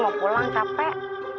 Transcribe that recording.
mau pulang capek